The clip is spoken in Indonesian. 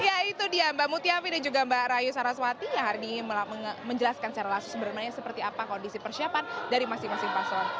ya itu dia mbak mutiapi dan juga mbak rayu saraswati yang hari ini menjelaskan secara langsung sebenarnya seperti apa kondisi persiapan dari masing masing paslon